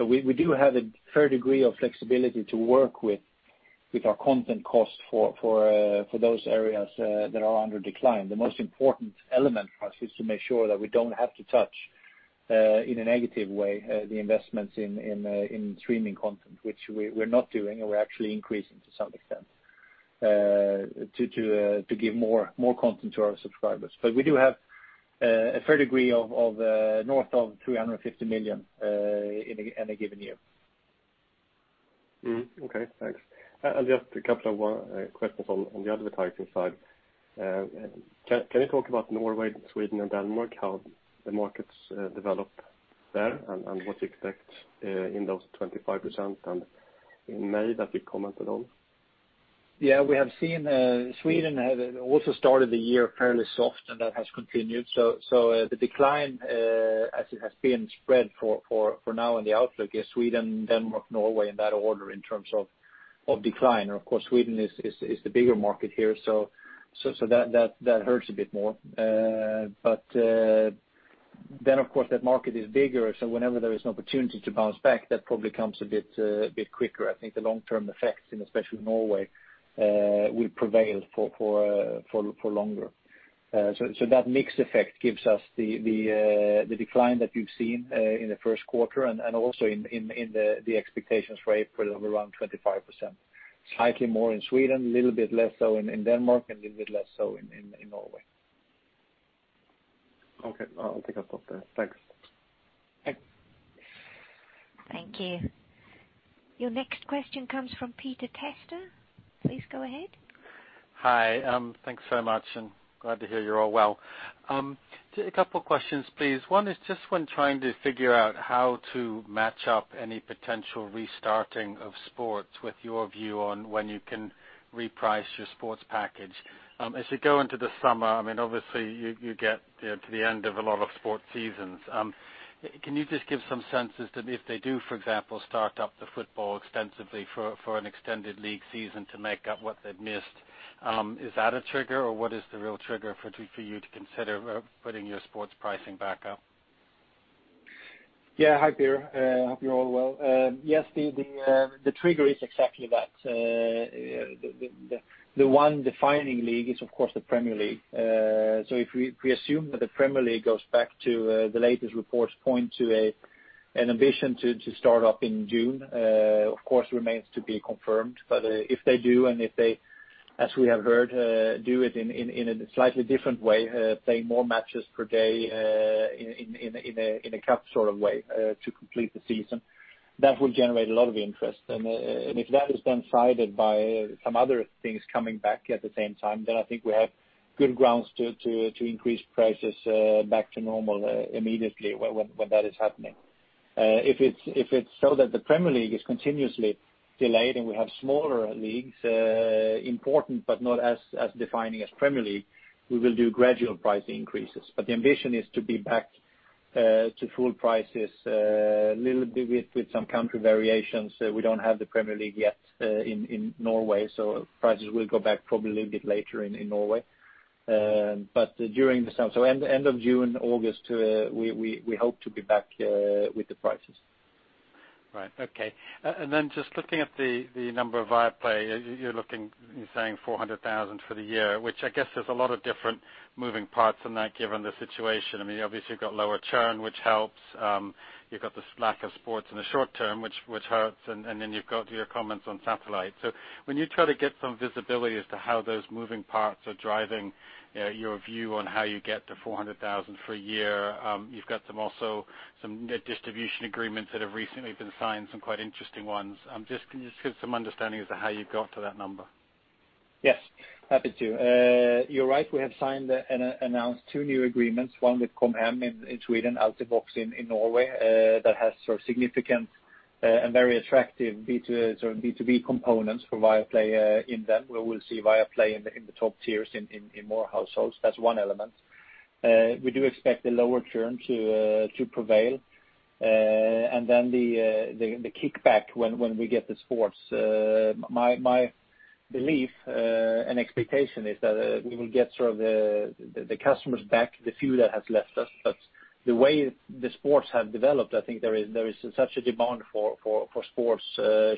We do have a fair degree of flexibility to work with our content cost for those areas that are under decline. The most important element for us is to make sure that we don't have to touch, in a negative way, the investments in streaming content, which we're not doing, and we're actually increasing to some extent to give more content to our subscribers. We do have a fair degree of north of 350 million in a given year. Okay, thanks. Just a couple of questions on the advertising side. Can you talk about Norway, Sweden, and Denmark, how the markets developed there, and what to expect in those 25% and in May that we commented on? Yeah, we have seen Sweden has also started the year fairly soft. That has continued. The decline as it has been spread for now in the outlook is Sweden, Denmark, Norway in that order in terms of decline. Of course, Sweden is the bigger market here. That hurts a bit more. Of course, that market is bigger. Whenever there is an opportunity to bounce back, that probably comes a bit quicker. I think the long-term effects in especially Norway will prevail for longer. That mixed effect gives us the decline that you've seen in the first quarter and also in the expectations for April of around 25%. Slightly more in Sweden, little bit less so in Denmark, little bit less so in Norway. Okay. I think I'll stop there. Thanks. Thanks. Thank you. Your next question comes from Peter Testa. Please go ahead. Hi. Thanks so much, and glad to hear you're all well. A couple of questions, please. One is just when trying to figure out how to match up any potential restarting of sports with your view on when you can reprice your sports package. As you go into the summer, obviously, you get to the end of a lot of sports seasons. Can you just give some sense as to if they do, for example, start up the football extensively for an extended league season to make up what they've missed, is that a trigger or what is the real trigger for you to consider putting your sports pricing back up? Hi, Peter. Hope you're all well. The trigger is exactly that. The one defining league is, of course, the Premier League. If we presume that the Premier League goes back to the latest reports point to an ambition to start up in June. Of course, remains to be confirmed. If they do and if they, as we have heard, do it in a slightly different way, play more matches per day in a cup sort of way to complete the season, that will generate a lot of interest. If that is then sided by some other things coming back at the same time, then I think we have good grounds to increase prices back to normal immediately when that is happening. If it's so that the Premier League is continuously delayed and we have smaller leagues, important but not as defining as Premier League, we will do gradual price increases. The ambition is to be back to full prices, a little bit with some country variations. We don't have the Premier League yet in Norway, so prices will go back probably a little bit later in Norway. End of June, August, we hope to be back with the prices. Right. Okay. Just looking at the number of Viaplay, you're saying 400,000 for the year, which I guess there's a lot of different moving parts in that given the situation. Obviously, you've got lower churn, which helps. You've got this lack of sports in the short term, which hurts, you've got your comments on satellite. When you try to get some visibility as to how those moving parts are driving your view on how you get to 400,000 for a year, you've got also some net distribution agreements that have recently been signed, some quite interesting ones. Just give some understanding as to how you got to that number. Yes, happy to. You're right, we have signed and announced two new agreements, one with Com Hem in Sweden, Altibox in Norway, that has significant and very attractive B2B components for Viaplay in them, where we'll see Viaplay in the top tiers in more households. That's one element. We do expect the lower churn to prevail. Then the kickback when we get the sports. My belief and expectation is that we will get the customers back, the few that have left us. The way the sports have developed, I think there is such a demand for sports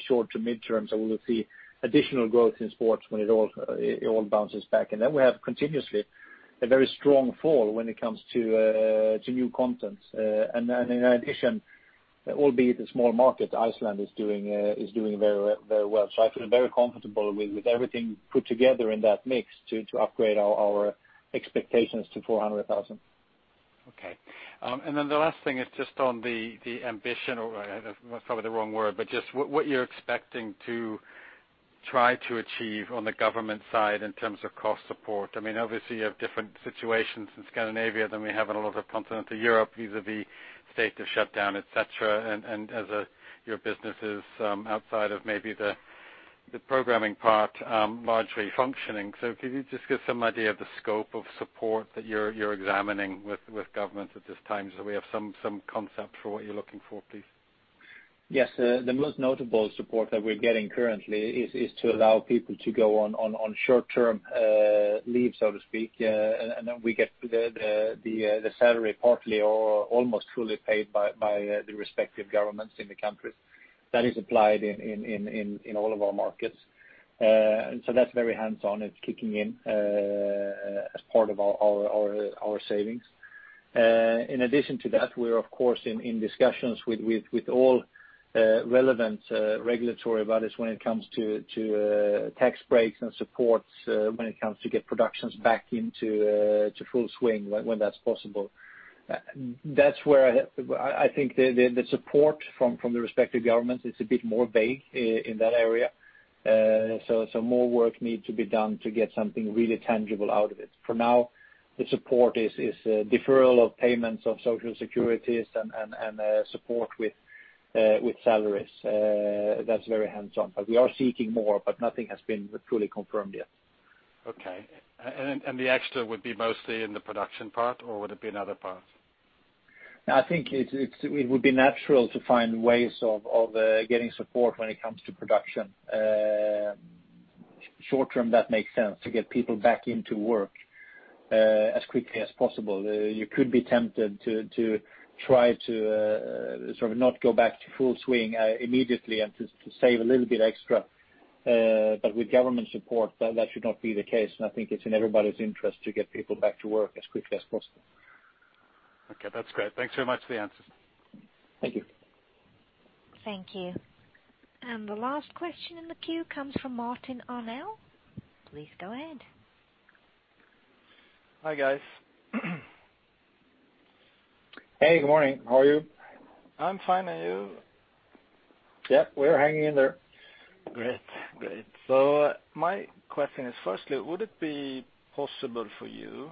short to midterm, so we will see additional growth in sports when it all bounces back. Then we have continuously a very strong fall when it comes to new content. In addition, albeit a small market, Iceland is doing very well. I feel very comfortable with everything put together in that mix to upgrade our expectations to 400,000. Okay. The last thing is just on the ambition, that's probably the wrong word, but just what you're expecting to try to achieve on the government side in terms of cost support. Obviously, you have different situations in Scandinavia than we have in a lot of continental Europe vis-a-vis state of shutdown, et cetera, and as your business is outside of maybe the programming part, largely functioning. Could you just give some idea of the scope of support that you're examining with governments at this time so we have some concept for what you're looking for, please? Yes. The most notable support that we're getting currently is to allow people to go on short-term leave, so to speak, and then we get the salary partly or almost fully paid by the respective governments in the countries. That is applied in all of our markets. That's very hands-on. It's kicking in as part of our savings. In addition to that, we're of course in discussions with all relevant regulatory bodies when it comes to tax breaks and supports when it comes to get productions back into full swing when that's possible. That's where I think the support from the respective governments is a bit more vague in that area. Some more work needs to be done to get something really tangible out of it. For now, the support is deferral of payments of social securities and support with salaries. That's very hands-on. We are seeking more, but nothing has been truly confirmed yet. Okay. The extra would be mostly in the production part, or would it be in other parts? I think it would be natural to find ways of getting support when it comes to production. Short term, that makes sense to get people back into work as quickly as possible. You could be tempted to try to sort of not go back to full swing immediately and to save a little bit extra. With government support, that should not be the case, and I think it's in everybody's interest to get people back to work as quickly as possible. Okay, that's great. Thanks so much for the answers. Thank you. Thank you. The last question in the queue comes from Martin Arnell. Please go ahead. Hi, guys. Hey, good morning. How are you? I'm fine. You? Yep, we're hanging in there. Great. My question is, firstly, would it be possible for you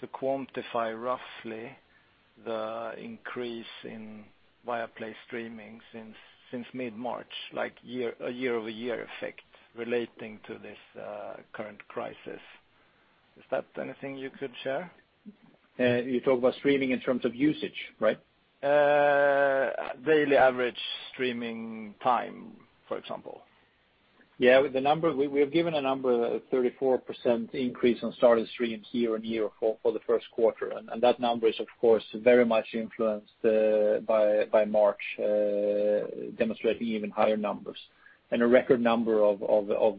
to quantify roughly the increase in Viaplay streaming since mid-March, like a year-over-year effect relating to this current crisis? Is that anything you could share? You're talking about streaming in terms of usage, right? Daily average streaming time, for example. We have given a number, 34% increase on started streams year-over-year for the first quarter. That number is, of course, very much influenced by March, demonstrating even higher numbers. A record number of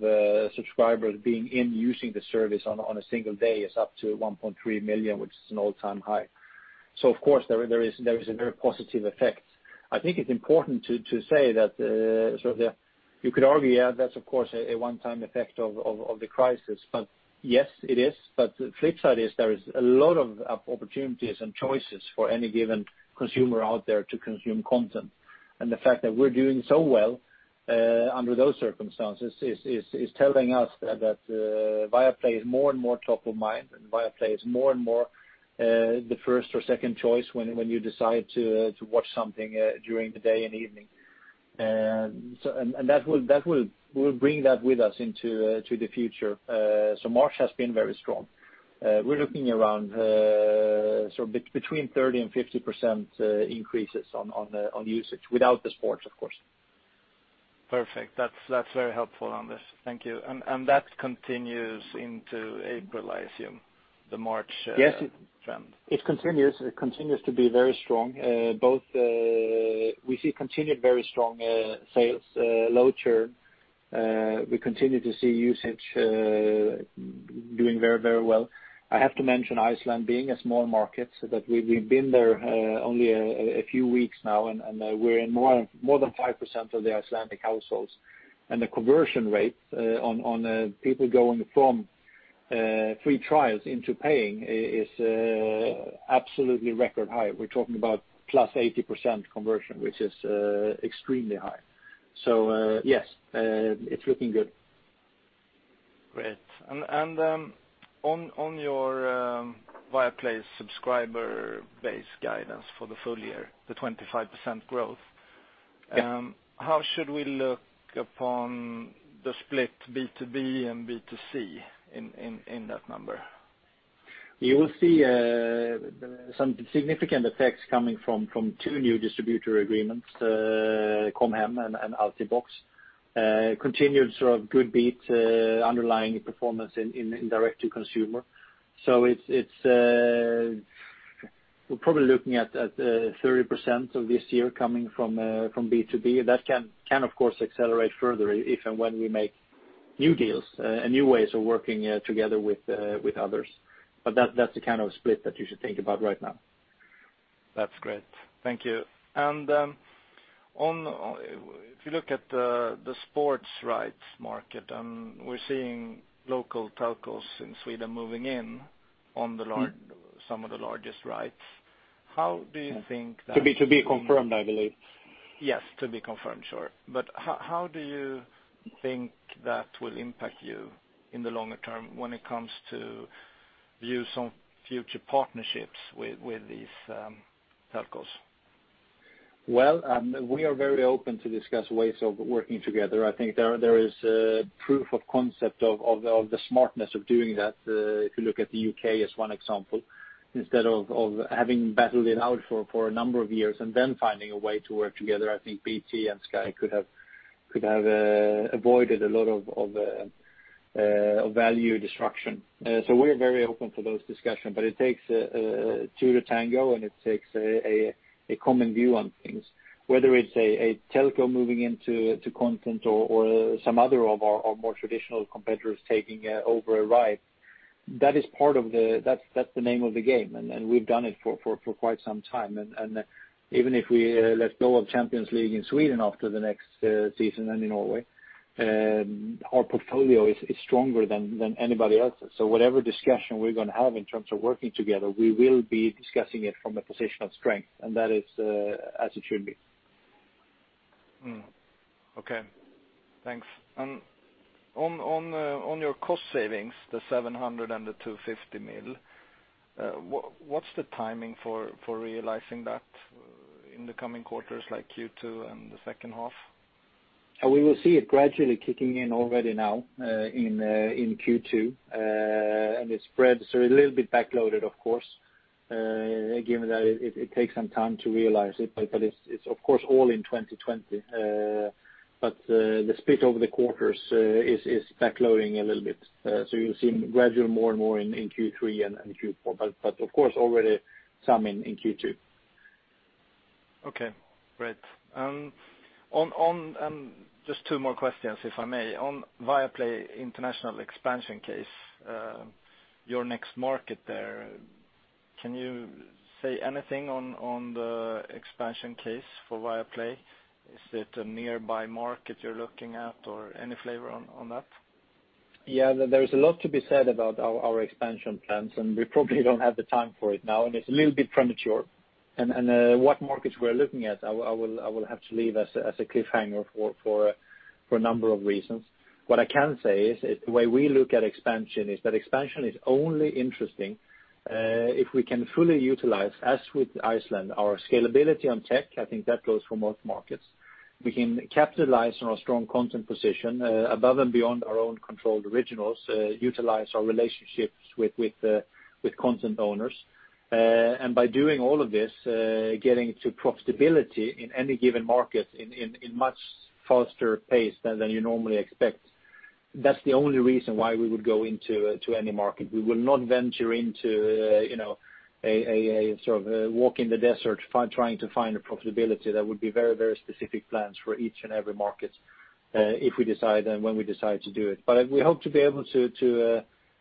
subscribers being in, using the service on a single day is up to 1.3 million, which is an all-time high. Of course, there is a very positive effect. I think it's important to say that you could argue that's of course a one-time effect of the crisis. Yes, it is. The flip side is there is a lot of opportunities and choices for any given consumer out there to consume content. The fact that we're doing so well under those circumstances is telling us that Viaplay is more and more top of mind, and Viaplay is more and more the first or second choice when you decide to watch something during the day and evening. We'll bring that with us into the future. March has been very strong. We're looking around between 30% and 50% increases on usage without the sports, of course. Perfect. That's very helpful on this. Thank you. That continues into April, I assume, the March. Yes trend. It continues to be very strong. We see continued very strong sales, low churn. We continue to see usage doing very well. I have to mention Iceland being a small market, that we've been there only a few weeks now, and we're in more than 5% of the Icelandic households. The conversion rate on people going from free trials into paying is absolutely record high. We're talking about plus 80% conversion, which is extremely high. Yes, it's looking good. Great. On your Viaplay subscriber base guidance for the full year, the 25% growth. Yeah How should we look upon the split B2B and B2C in that number? You will see some significant effects coming from two new distributor agreements, Com Hem and Altibox. Continued sort of good beat underlying performance in direct to consumer. We're probably looking at 30% of this year coming from B2B. That can, of course, accelerate further if and when we make new deals and new ways of working together with others. That's the kind of split that you should think about right now. That's great. Thank you. If you look at the sports rights market, we're seeing local telcos in Sweden moving in on some of the largest rights. How do you think that. To be confirmed, I believe. Yes, to be confirmed, sure. How do you think that will impact you in the longer term when it comes to views on future partnerships with these telcos? Well, we are very open to discuss ways of working together. I think there is proof of concept of the smartness of doing that, if you look at the U.K. as one example. Instead of having battled it out for a number of years and then finding a way to work together, I think BT and Sky could have avoided a lot of value destruction. We're very open to those discussions. It takes two to tango, and it takes a common view on things. Whether it's a telco moving into content or some other of our more traditional competitors taking over a right, that's the name of the game, and we've done it for quite some time. Even if we let go of Champions League in Sweden after the next season and in Norway, our portfolio is stronger than anybody else's. Whatever discussion we're going to have in terms of working together, we will be discussing it from a position of strength, and that is as it should be. Okay, thanks. On your cost savings, the 700 million and the 250 million, what's the timing for realizing that in the coming quarters like Q2 and the second half? We will see it gradually kicking in already now in Q2, and it spreads. A little bit back-loaded, of course, given that it takes some time to realize it. It's of course all in 2020. The split over the quarters is back-loading a little bit. You'll see gradually more and more in Q3 and Q4, but of course, already some in Q2. Okay, great. Just two more questions, if I may. On Viaplay international expansion case. Can you say anything on the expansion case for Viaplay? Is it a nearby market you're looking at or any flavor on that? Yeah. There is a lot to be said about our expansion plans, and we probably don't have the time for it now, and it's a little bit premature. What markets we're looking at, I will have to leave as a cliffhanger for a number of reasons. What I can say is, the way we look at expansion is that expansion is only interesting if we can fully utilize, as with Iceland, our scalability on tech. I think that goes for most markets. We can capitalize on our strong content position, above and beyond our own controlled originals, utilize our relationships with content owners. By doing all of this, getting to profitability in any given market in much faster pace than you normally expect. That's the only reason why we would go into any market. We will not venture into a walk in the desert trying to find a profitability that would be very specific plans for each and every market, if we decide and when we decide to do it. We hope to be able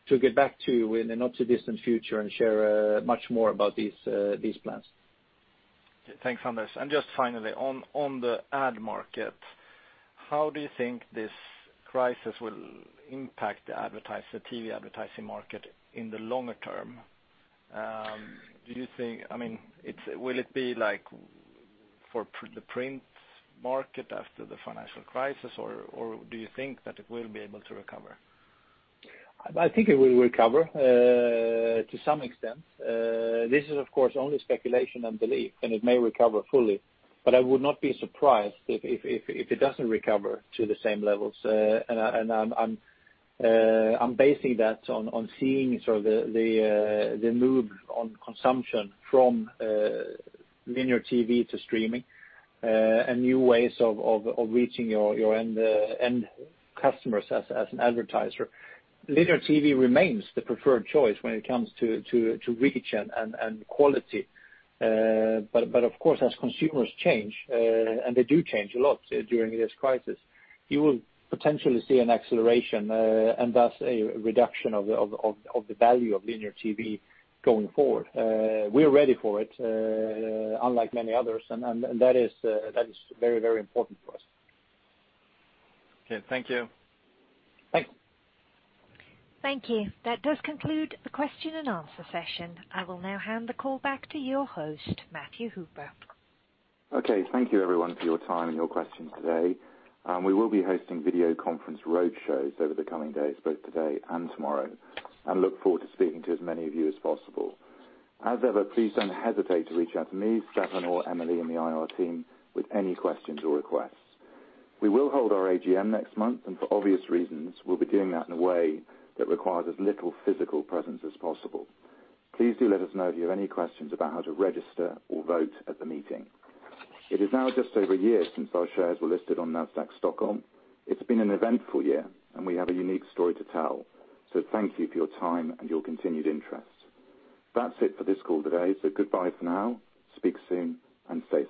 to get back to you in the not-too-distant future and share much more about these plans. Thanks, Anders. Just finally, on the ad market, how do you think this crisis will impact the TV advertising market in the longer term? Will it be like for the print market after the financial crisis, or do you think that it will be able to recover? I think it will recover to some extent. This is, of course, only speculation and belief, and it may recover fully. I would not be surprised if it doesn't recover to the same levels. I'm basing that on seeing the move on consumption from linear TV to streaming, and new ways of reaching your end customers as an advertiser. Linear TV remains the preferred choice when it comes to reach and quality. Of course, as consumers change, and they do change a lot during this crisis, you will potentially see an acceleration, and thus a reduction of the value of linear TV going forward. We're ready for it, unlike many others, and that is very important for us. Okay, thank you. Thanks. Thank you. That does conclude the question and answer session. I will now hand the call back to your host, Matthew Hooper. Okay. Thank you everyone for your time and your questions today. We will be hosting video conference road shows over the coming days, both today and tomorrow, and look forward to speaking to as many of you as possible. As ever, please don't hesitate to reach out to me, Stefan or Emily in the IR team with any questions or requests. We will hold our AGM next month, and for obvious reasons, we'll be doing that in a way that requires as little physical presence as possible. Please do let us know if you have any questions about how to register or vote at the meeting. It is now just over one year since our shares were listed on Nasdaq Stockholm. It's been an eventful year and we have a unique story to tell. Thank you for your time and your continued interest. That's it for this call today. Goodbye for now. Speak soon and stay safe.